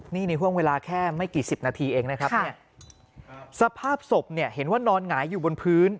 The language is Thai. นี่ในห่วงเวลาแค่ไม่กี่สิบนาทีเองนะครับเนี่ยสภาพศพเนี่ยเห็นว่านอนหงายอยู่บนพื้น